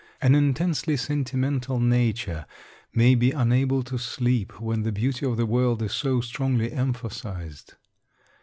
An intensely sentimental nature may be unable to sleep when the beauty of the world is so strongly emphasized.